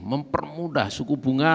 mempermudah suku bunga